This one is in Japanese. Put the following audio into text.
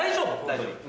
大丈夫。